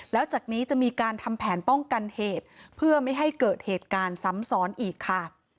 แล้วจากนี้จะมีการทำแผนป้องกันเหตุเพื่อไม่ให้เกิดเหตุการณ์ซ้ำซ้อนอีกค่ะ